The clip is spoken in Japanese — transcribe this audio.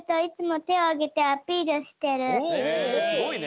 すごいね。